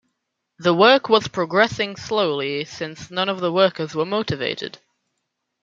The work was progressing slowly since none of the workers were motivated.